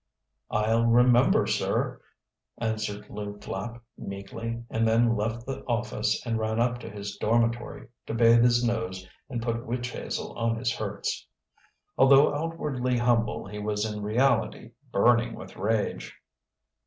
"I'll remember, sir," answered Lew Flapp meekly, and then left the office and ran up to his dormitory, to bathe his nose and put witch hazel on his hurts. Although outwardly humble he was in reality burning with rage.